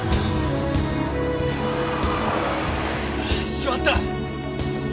しまった！